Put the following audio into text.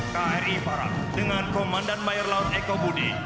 kri parang dengan komandan mayer laut eko budi